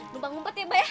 lumpang umpet ya mbak ya